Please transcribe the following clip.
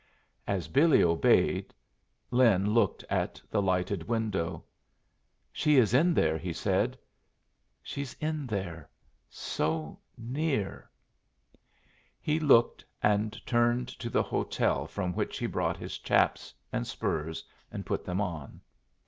As Billy obeyed, Lin looked at the lighted window. "She is in there," he said. "She's in there. So near." He looked, and turned to the hotel, from which he brought his chaps and spurs and put them on.